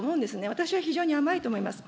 私は非常に甘いと思います。